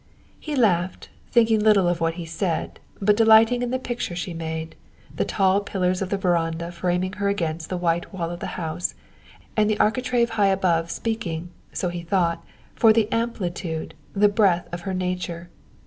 He laughed, thinking little of what he said, but delighting in the picture she made, the tall pillars of the veranda framing her against the white wall of the house, and the architrave high above speaking, so he thought, for the amplitude, the breadth of her nature.